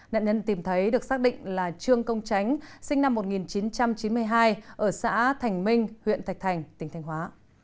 nạn nhân tìm thấy được xác định là trương công tránh sinh năm một nghìn chín trăm chín mươi hai ở xã thành minh huyện thạch thành tỉnh thành hóa